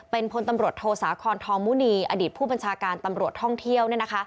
เป็นพลตำรวจโทสาคอนทองมุณีอดีตผู้บัญชาการตำรวจท่องเที่ยว